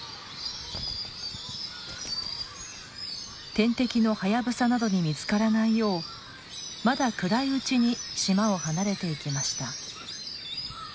天敵のハヤブサなどに見つからないようまだ暗いうちに島を離れていきました。